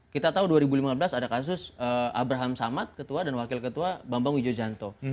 kita tahu dua ribu lima belas ada kasus abraham samad ketua dan wakil ketua bambang wijojanto